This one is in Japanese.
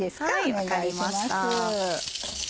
分かりました。